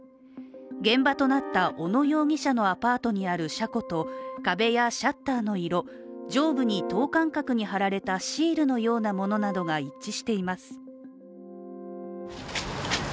現場となった小野容疑者のアパートにある車庫と、壁やシャッターの色上部に等間隔に貼られたシールのようなものなどが一致しています。